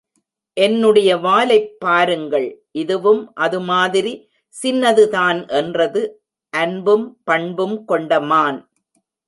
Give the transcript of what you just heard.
என்னுடைய வாலைப் பாருங்கள், இதுவும் அது மாதிரி சின்னதுதான் என்றது, அன்பும் பண்பும் கொண்ட மான்.